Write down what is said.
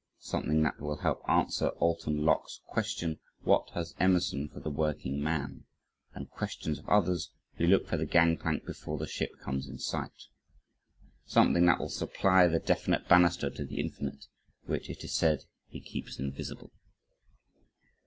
Something that will help answer Alton Locke's question: "What has Emerson for the working man?" and questions of others who look for the gang plank before the ship comes in sight. Something that will supply the definite banister to the infinite, which it is said he keeps invisible.